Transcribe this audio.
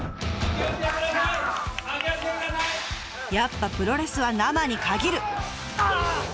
やっぱプロレスは生に限る！